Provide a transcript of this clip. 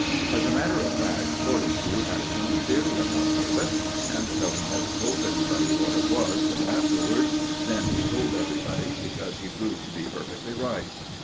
As a matter of fact, Fortescue had his own theory about "Turbot," and though he never told anybody what it was till afterwards, then he told everybody because he proved to be perfectly right.